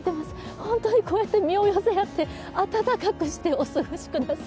本当にこうやって身を寄せ合って、暖かくしてお過ごしください。